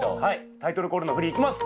タイトルコールのフリいきます！